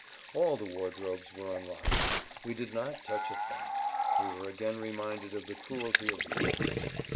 All the wardrobes were unlocked. We did not touch a thing. We were again reminded of the cruelty of war.